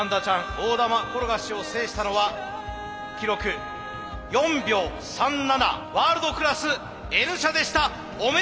大玉転がしを制したのは記録４秒３７ワールドクラスＮ社でした。